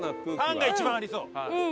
「パン」が一番ありそう！